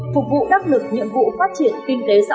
phục vụ đắc lực nhiệm vụ phát triển kinh tế xã hội